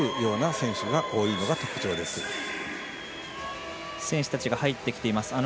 選手たちが入ってきています。